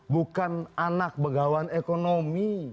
bukan anak begawan ekonomi